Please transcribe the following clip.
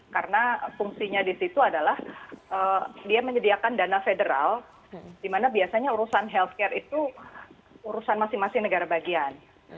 karena fungsinya di situ adalah dia menyediakan dana federal di mana biasanya urusan healthcare itu urusan masing masing negara bagian